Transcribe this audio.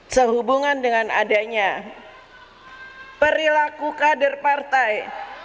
sehubungan dengan adanya perilaku kader partai